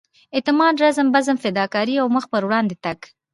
اعتماد رزم بزم فداکارۍ او مخ پر وړاندې تګ.